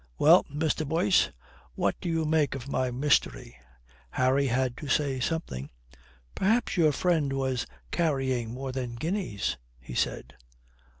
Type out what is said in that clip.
Well, Mr. Boyce, what do you make of my mystery?" Harry had to say something. "Perhaps your friend was carrying more than guineas," he said.